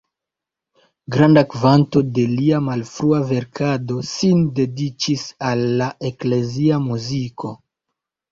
Granda kvanto de lia malfrua verkado sin dediĉis al la eklezia muziko.